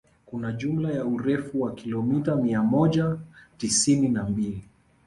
Kuna jumla ya urefu wa kilomita mia moja tisini na mbili